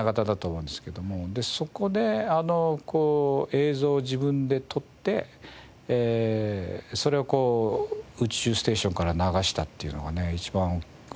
でそこであのこう映像自分で撮ってそれを宇宙ステーションから流したっていうのいうのがね一番大きいかなと。